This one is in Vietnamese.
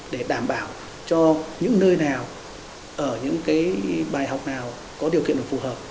để đảm bảo cho những nơi nào ở những cái bài học nào có điều kiện được phù hợp